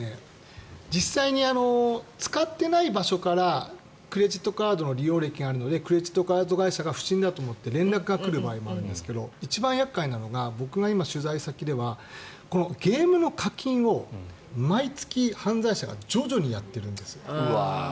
実際に使っていない場所からクレジットカードの利用歴があるのでクレジットカード会社が不審だと思って連絡が来る場合があるんですけど一番厄介なのが僕の今の取材先ではゲームの課金を毎月、犯罪者が徐々にやってるんですよ